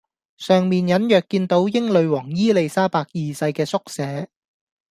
上面隱約見到英女皇伊莉莎白二世嘅縮寫